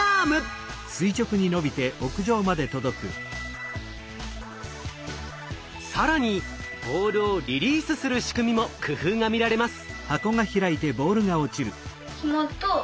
これぞ更にボールをリリースする仕組みも工夫が見られます。